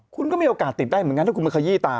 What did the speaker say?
คุณก็มีโอกาสติดได้เหมือนกันถ้าคุณมาขยี้ตา